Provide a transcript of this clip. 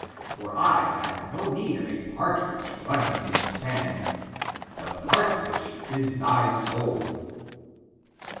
For I have no need of a partridge running in the sand. The partridge is 4;hy soul."